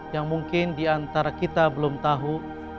yang mungkin diantara kita belum tahu